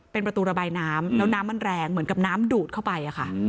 เป็นประตูระบายน้ำแล้วน้ำมันแรงเหมือนกับน้ำดูดเข้าไปค่ะ